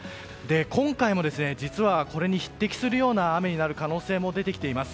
今回も実はこれに匹敵するような雨になる可能性も出てきています。